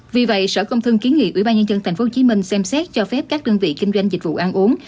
vì vậy sở công thương kiến nghị ubnd tp hcm xem xét cho phép các đơn vị kinh doanh dịch vụ ăn uống